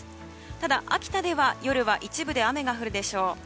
ただ、秋田では夜は一部で雨が降るでしょう。